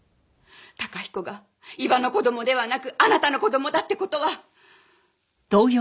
崇彦が伊庭の子供ではなくあなたの子供だって事は。